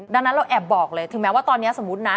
ดังนั้นเราแอบบอกเลยถึงแม้ว่าตอนนี้สมมุตินะ